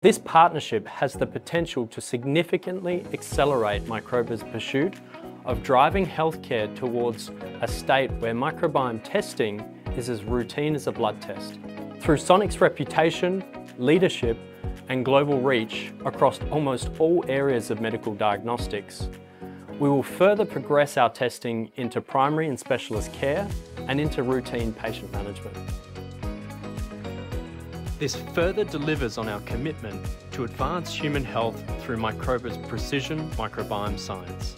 This partnership has the potential to significantly accelerate Microba's pursuit of driving healthcare towards a state where microbiome testing is as routine as a blood test. Through Sonic's reputation, leadership, and global reach across almost all areas of medical diagnostics, we will further progress our testing into primary and specialist care and into routine patient management. This further delivers on our commitment to advance human health through Microba's precision microbiome science.